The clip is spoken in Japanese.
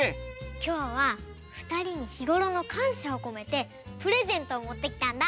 きょうはふたりにひごろのかんしゃをこめてプレゼントをもってきたんだ。